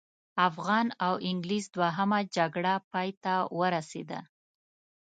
افغان او انګلیس دوهمه جګړه پای ته ورسېده.